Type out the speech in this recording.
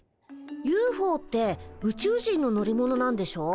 ＵＦＯってウチュウ人の乗り物なんでしょ？